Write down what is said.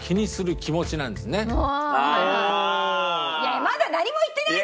いやまだ何も言ってないでしょ！